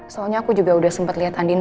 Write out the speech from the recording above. soalnya aku juga udah sempat lihat andina